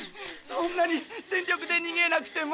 そんなに全力でにげなくても。